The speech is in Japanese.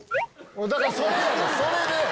だからそれやねんそれで。